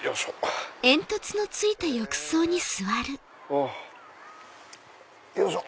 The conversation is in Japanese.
あっよいしょ。